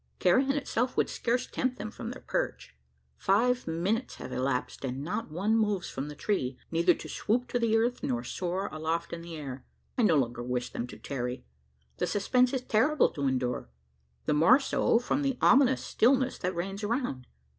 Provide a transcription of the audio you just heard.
Carrion itself would scarce tempt them from their perch. Five minutes have elapsed; and not one moves from the tree neither to swoop to the earth, nor soar aloft in the air! I no longer wish them to tarry. The suspense is terrible to endure the more so from the ominous stillness that reigns around.